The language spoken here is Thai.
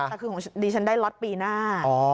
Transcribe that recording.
แต่คือของดิฉันได้ล็อตปีหน้า